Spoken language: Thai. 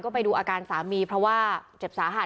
ไปดูอาการสามีเพราะว่าเจ็บสาหัส